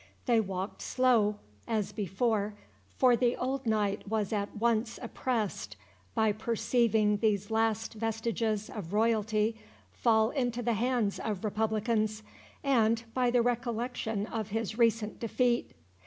They walked slow, as before, for the old knight was at once oppressed by perceiving these last vestiges of royalty fall into the hands of republicans, and by the recollection of his recent defeat.